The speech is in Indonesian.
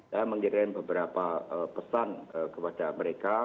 dan mengirim beberapa pesan kepada mereka